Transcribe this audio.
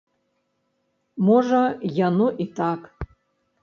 Можа, яно і так.